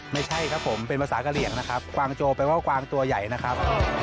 ไม่ใช่ครับผมเป็นภาษากะเหลี่ยงนะครับกวางโจแปลว่ากวางตัวใหญ่นะครับ